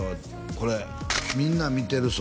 これ「みんな見てる空」